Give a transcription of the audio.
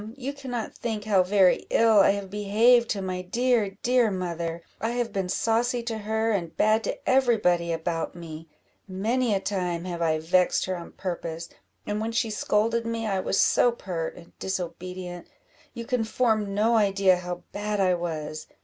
you cannot think how very ill I have behaved to my dear, dear mother I have been saucy to her, and bad to every body about me; many a time have I vexed her on purpose; and when she scolded me, I was so pert and disobedient you can form no idea how bad I was.